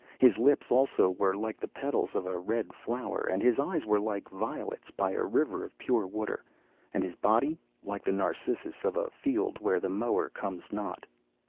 His lips, also, were like the petals of a red flower, and his eyes were like violets by a river of pure water, and his body like the narcissus of a field where the mower comes not.